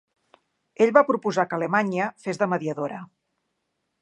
Ell va proposar que Alemanya fes de mediadora.